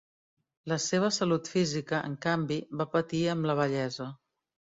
La seva salut física, en canvi, va patir amb la vellesa.